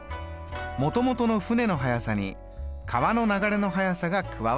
もともとの舟の速さに川の流れの速さが加わります。